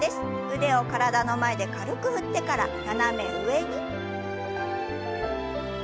腕を体の前で軽く振ってから斜め上に。